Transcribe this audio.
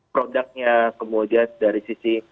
produknya kemudian dari sisi